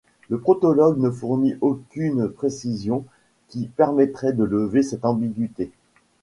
Le protologue ne fournit aucune précision qui permettrait de lever cette ambiguïté.